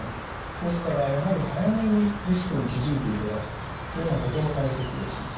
ですからやはり早めにリスクに気付いていただくというのがとても大切です。